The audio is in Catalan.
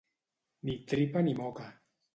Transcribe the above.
Ni tripa ni moca.